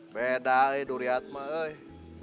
beda durian pak